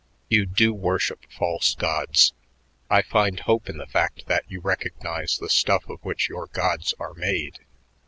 You do worship false gods. I find hope in the fact that you recognize the stuff of which your gods are made.